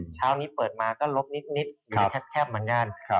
ช้าวนี้เปิดมาก็ลบนิดอยู่แค่หลังย่าน